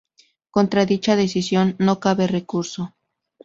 Contra dicha decisión no cabe recurso.